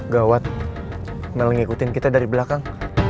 gawat malah ngikutin kita dari belakang